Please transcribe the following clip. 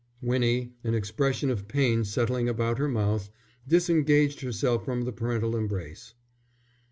Winnie, an expression of pain settling about her mouth, disengaged herself from the parental embrace.